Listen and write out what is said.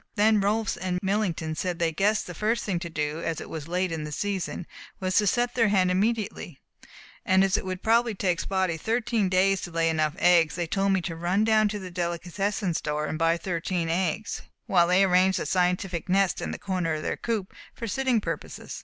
Then Rolfs and Millington said they guessed the first thing to do, as it was so late in the season, was to set their hen immediately, and as it would probably take Spotty thirteen days to lay enough eggs, they told me to run down to the delicatessen store and buy thirteen eggs, while they arranged a scientific nest in the corner of their coop, for sitting purposes.